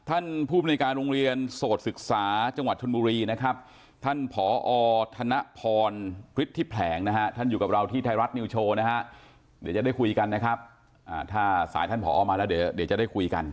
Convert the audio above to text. ท่านภูมิในการโรงเรียนโสดศึกษาจังหวัดชนบุรีนะครับท่านผอธนพรฤทธิแผลงนะฮะท่านอยู่กับเราที่ไทยรัฐนิวโชว์นะฮะเดี๋ยวจะได้คุยกันนะครับถ้าสายท่านผอมาแล้วเดี๋ยวจะได้คุยกัน